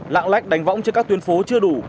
lạng lách đánh võng trên các tuyến phố chưa đủ